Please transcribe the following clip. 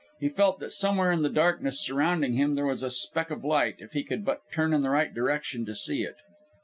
He felt that somewhere in the darkness surrounding him there was a speck of light, if he could but turn in the right direction to see it.